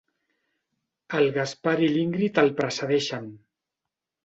El Gaspar i l'Ingrid el precedeixen.